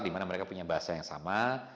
dimana mereka punya bahasa yang sama